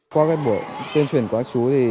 qua các buổi tiên truyền quá trung